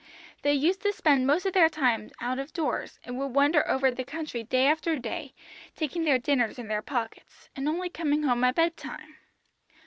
They used to spend most of their time out of doors, and would wander over the country day after day, taking their dinners in their pockets, and only coming home at bedtime.